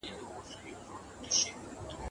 ایا تکړه پلورونکي وچه الوچه پروسس کوي؟